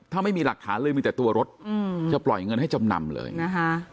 ถ้าไม่มีหลักฐานเลยมีแต่ตัวรถจะปล่อยเงินให้จำนำเลยนะคะ